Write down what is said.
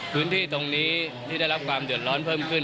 พื้นที่ตรงนี้ที่ได้รับความเดือดร้อนเพิ่มขึ้น